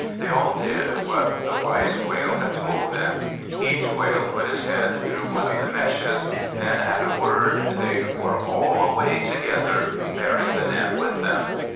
They all did what the wise Quail had told them; each quail put his head through one of the meshes, then at a word they were all away together, bearing the net with them.